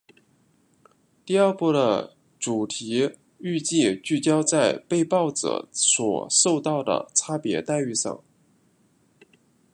第二部的主题预计聚焦在被爆者所受到的差别待遇上。